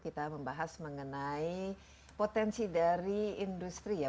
kita membahas mengenai potensi dari industri ya